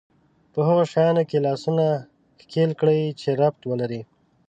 په هغو شيانو کې لاسونه ښکېل کړي چې ربط ولري.